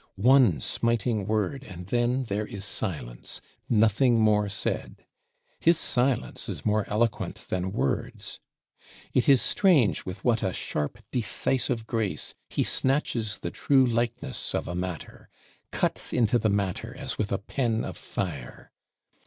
One smiting word; and then there is silence, nothing more said. His silence is more eloquent than words. It is strange with what a sharp decisive grace he snatches the true likeness of a matter: cuts into the matter as with a pen of fire.